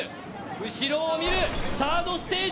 後ろを見る、サードステージ